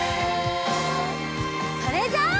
それじゃあ。